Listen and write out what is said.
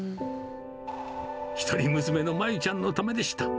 一人娘のまゆちゃんのためでした。